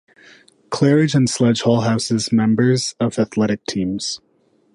Claridge and Sledge Hall houses members of athletic teams.